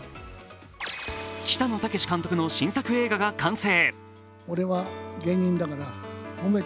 北野武監督の新作映画が完成。